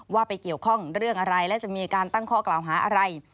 ว่าไปเกี่ยวข้องเรื่องอะไรและจะมีการตั้งข้อกล่าวหาอะไร